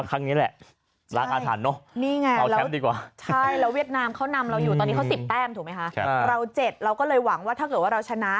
เรา๗เราก็เลยหวังว่าถ้าเกิดว่าเราชนะ